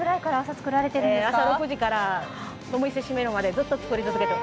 朝６時からお店閉めるまでずっと作り続けてます。